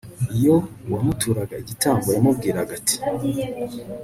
iyo uwaturaga igitambo yamubwiraga ati